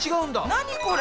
何これ！